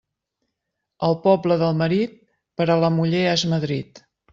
El poble del marit, per a la muller és Madrid.